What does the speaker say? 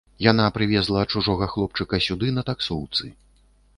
Яна прывезла чужога хлопчыка сюды на таксоўцы.